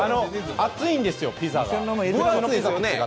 熱いんですよ、ピザが。